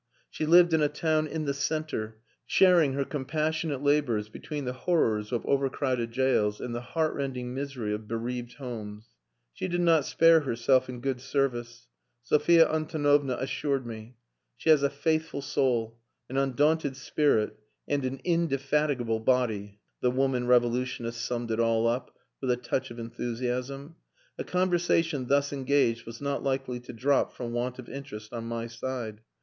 She lived in a town "in the centre," sharing her compassionate labours between the horrors of overcrowded jails, and the heartrending misery of bereaved homes. She did not spare herself in good service, Sophia Antonovna assured me. "She has a faithful soul, an undaunted spirit and an indefatigable body," the woman revolutionist summed it all up, with a touch of enthusiasm. A conversation thus engaged was not likely to drop from want of interest on my side.